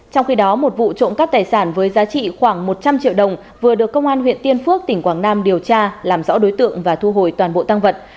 trong khi đó một vụ trộm cắp tài sản với giá trị khoảng một trăm linh triệu đồng vừa được công an huyện tiên phước tỉnh quảng nam điều tra làm rõ đối tượng và thu hồi toàn bộ tăng vật